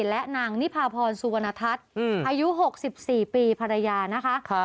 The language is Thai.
และนางนิพาพรสุวรรณทัศน์อายุ๖๔ปีภรรยานะคะ